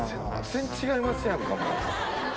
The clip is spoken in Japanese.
全然違いますやんかもう。